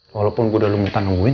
walaupun gue udah lumutan nungguin